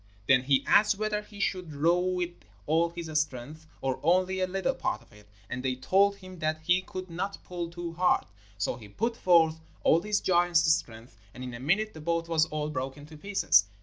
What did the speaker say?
Then he asked whether he should row with all his strength, or only a little part of it, and they told him that he could not pull too hard. So he put forth all his giant's strength, and in a minute the boat was all broken to pieces.